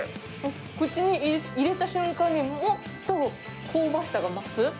口に入れた瞬間に、もっと香ばしさが増す。